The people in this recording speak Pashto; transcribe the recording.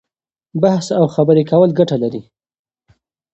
بحث او خبرې کول ګټه لري.